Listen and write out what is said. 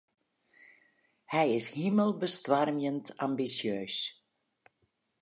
Hy is himelbestoarmjend ambisjeus.